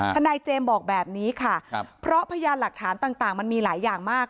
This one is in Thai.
ทนายเจมส์บอกแบบนี้ค่ะเพราะพยานหลักฐานต่างมันมีหลายอย่างมาก